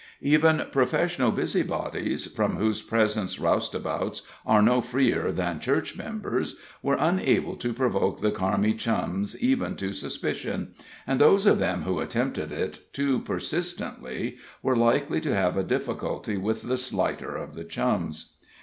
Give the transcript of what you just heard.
Even professional busybodies, from whose presence roustabouts are no freer than Church members, were unable to provoke the Carmi Chums even to suspicion, and those of them who attempted it too persistently were likely to have a difficulty with the slighter of the Chums.